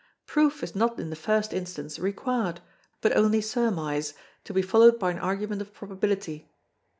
Proof is not in the first instance required, but only surmise, to be followed by an argument of probability.